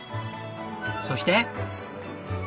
そして。